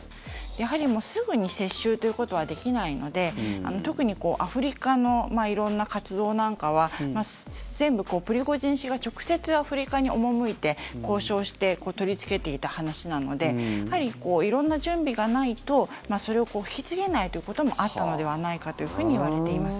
やはり、すぐに接収ということはできないので特にアフリカの色んな活動なんかは全部プリゴジン氏が直接アフリカに赴いて、交渉して取りつけていた話なのでやはり色んな準備がないとそれを引き継げないということもあったのではないかというふうにいわれています。